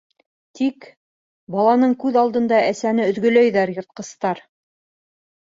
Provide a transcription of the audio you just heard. Тик... баланың күҙ алдында әсәне өҙгәләйҙәр йыртҡыстар.